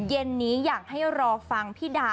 เย็นนี้อยากให้รอฟังพี่ดา